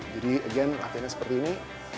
jadi again latihannya seperti ini